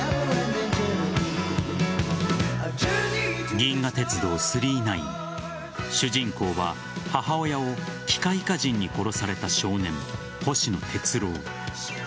「銀河鉄道９９９」主人公は、母親を機械化人に殺された少年星野鉄郎。